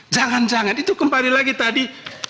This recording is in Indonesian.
jangan jangan itu kembali lagi tadi